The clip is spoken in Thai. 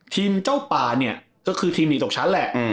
ทีมเจ้าป่าเนี่ยก็คือทีมหนีตกชั้นแหละ